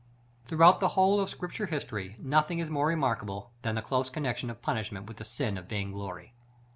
§ XVIII. Throughout the whole of Scripture history, nothing is more remarkable than the close connection of punishment with the sin of vain glory.